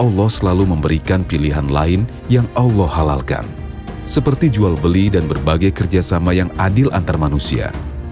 allah selalu memberikan pilihan lain yang allah halalkan seperti jual beli dan berbagai kerjasama yang adil antar manusia